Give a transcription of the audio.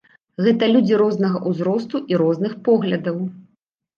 Гэта людзі рознага ўзросту і розных поглядаў.